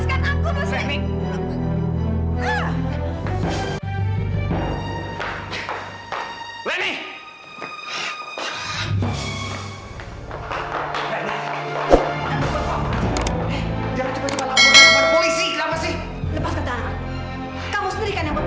kamu sendiri kan yang berpulang